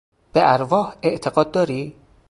به ارواح اعتقاد داری؟